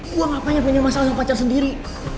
gue ngapain yang pengen masalah sama pacar sendiri